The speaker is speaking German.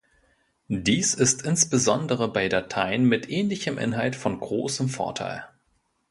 Dies ist insbesondere bei Dateien mit ähnlichem Inhalt von großem Vorteil.